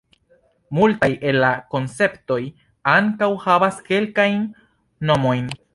Multaj el la konceptoj ankaŭ havas kelkajn nomojn.